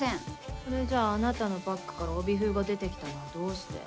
それじゃああなたのバッグから帯封が出てきたのはどうして？